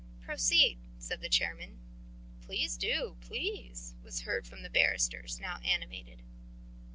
"Proceed," said the chairman. "Please do ... Please ..." was heard from the barristers, now animated.